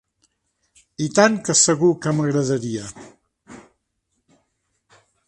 I tant que segur que m'agradaria!